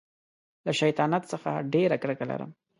له شیطانت څخه ډېره کرکه لرم.